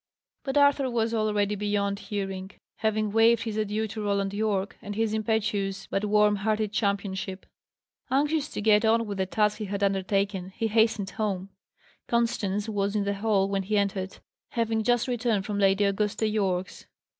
But Arthur was already beyond hearing, having waved his adieu to Roland Yorke and his impetuous but warm hearted championship. Anxious to get on with the task he had undertaken, he hastened home. Constance was in the hall when he entered, having just returned from Lady Augusta Yorke's.